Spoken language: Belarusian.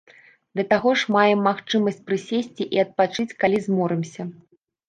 Да таго ж маем магчымасць прысесці і адпачыць, калі зморымся.